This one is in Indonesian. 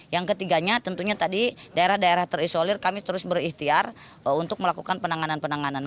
yang ketiganya tentunya tadi daerah daerah terisolir kami terus berikhtiar untuk melakukan penanganan penanganan